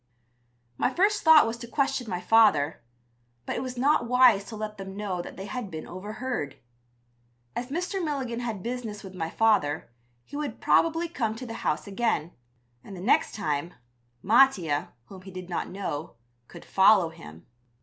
My first thought was to question my father, but it was not wise to let them know that they had been overheard. As Mr. Milligan had business with my father he would probably come to the house again, and the next time, Mattia, whom he did not know, could follow him.